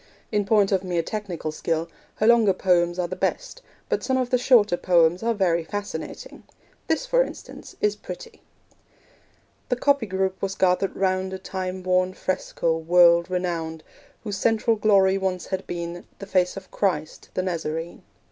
In point of mere technical skill, her longer poems are the best; but some of the shorter poems are very fascinating. This, for instance, is pretty: The copyist group was gathered round A time worn fresco, world renowned, Whose central glory once had been The face of Christ, the Nazarene.